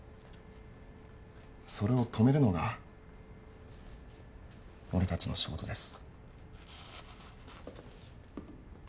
それを止めるのが俺たちの仕事です。